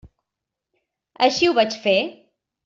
Així ho vaig fer.